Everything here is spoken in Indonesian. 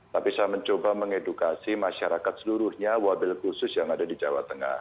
tapi saya mencoba mengedukasi masyarakat seluruhnya wabil khusus yang ada di jawa tengah